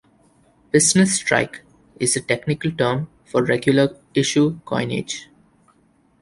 "Business Strike" is the technical term for regular issue coinage.